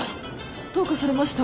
どうかされました？